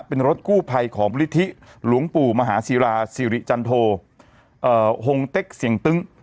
เป็นรถกู้ภัยของมูลนิธิหลวงปู่มหาศิราสิริจันโทหงเต็กเสียงตึ้ง